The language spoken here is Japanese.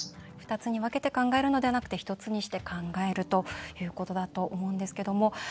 ２つに分けて考えるのではなくて１つにして考えるということだと思いますけど。